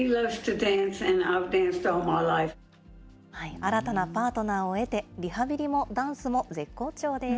新たなパートナーを得て、リハビリもダンスも絶好調です。